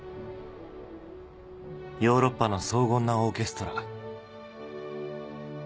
ヨーロッパの荘厳なオーケストラ］